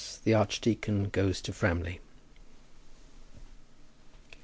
THE ARCHDEACON GOES TO FRAMLEY.